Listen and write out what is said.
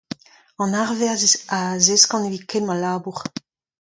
An arwerzh a zeskan evit kemmañ labour.